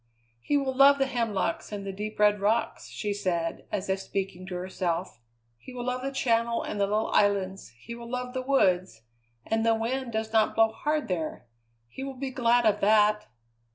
"He will love the hemlocks and the deep red rocks," she said, as if speaking to herself; "he will love the Channel and the little islands, he will love the woods and the wind does not blow hard there he will be glad of that."